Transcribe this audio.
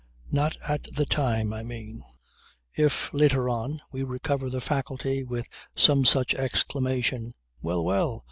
Not at the time, I mean. If, later on, we recover the faculty with some such exclamation: 'Well! Well!